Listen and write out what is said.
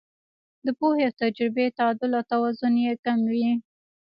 د پوهې او تجربې تعدل او توازن یې کم وي.